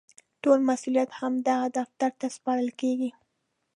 ټول مسوولیت همدغه دفتر ته سپارل کېږي.